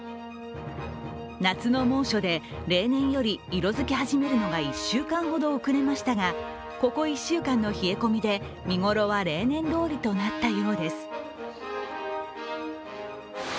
夏の猛暑で、例年より色づき始めるのが１週間ほど遅れましたがここ１週間の冷え込みで見頃は例年どおりとなったようです。